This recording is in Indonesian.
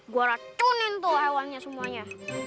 gue racunin tuh hewannya semuanya